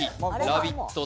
「ラヴィット！」